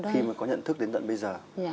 khi mà có nhận thức đến đận bây giờ